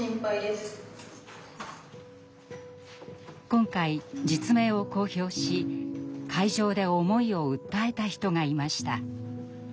今回実名を公表し会場で思いを訴えた人がいました。